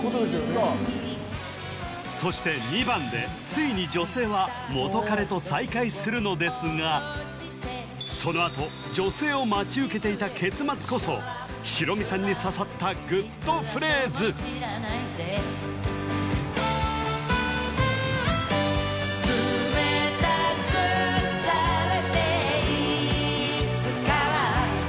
そうそして２番でついに女性は元カレと再会するのですがそのあと女性を待ち受けていた結末こそヒロミさんに刺さったグッとフレーズねえ